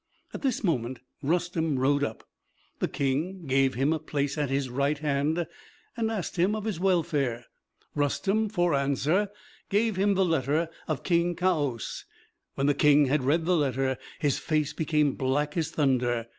At this moment Rustem rode up. The King gave him a place at his right hand, and asked him of his welfare. Rustem, for answer, gave him the letter of Kei Kaöus. When the King had read the letter, his face became black as thunder.